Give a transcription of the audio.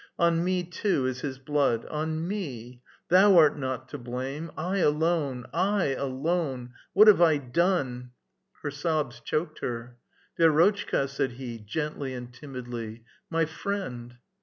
" On me too is his blood ! On me ! Thou art not to blame ! I alone ! I alone ! What have I done !" Her sobs choked her. " Vi6rotchka," said he, gently and timidly, " my friend